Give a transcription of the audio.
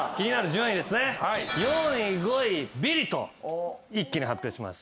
４位５位ビリと一気に発表します。